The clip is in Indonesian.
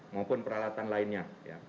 maupun peralatan lainnya